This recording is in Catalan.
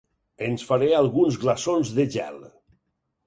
ENS FARÉ ALGUNS GLAÇONS DE GEL.